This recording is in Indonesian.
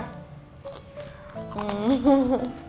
gue buat maunya